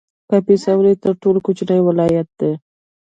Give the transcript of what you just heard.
کاپیسا ولې تر ټولو کوچنی ولایت دی؟